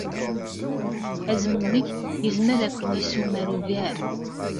Azmumeg yezmer ad ken-yessumar ugar.